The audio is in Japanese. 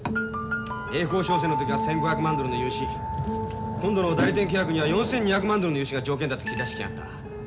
栄光商船の時は１，５００万ドルの融資今度の代理店契約には４，２００万ドルの融資が条件だと切り出してきやがった。